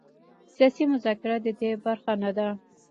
سیاسي مذاکره د دې برخه نه ده.